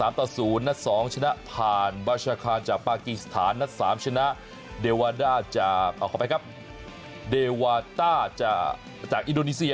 นัดสองชนะพานบาชาคาจากปาคิสถานนัดสามชนะเดวาต้าจากอินโดนีเซีย